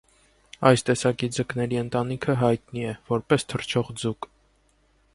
Այս տեսակի ձկների ընտանիքը հայտնի է, որպես թռչող ձուկ։